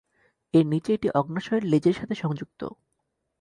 এর নিচে এটি অগ্ন্যাশয়ের লেজের সাথে সংযুক্ত।